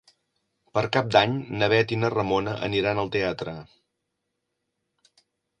Per Cap d'Any na Bet i na Ramona aniran al teatre.